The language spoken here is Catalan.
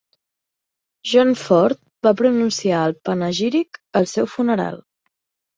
John Ford va pronunciar el panegíric al seu funeral.